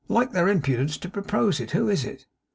'Like their impudence to propose it. Who is it?